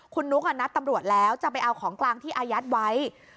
คุณนุ๊กนัดตำรวจแล้วจะไปเอาของกลางที่อายัดไว้